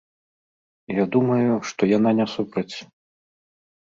Я думаю, што яна не супраць.